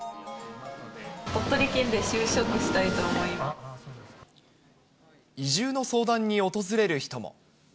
鳥取県で就職したいと思いま移住の相談に訪れる人も。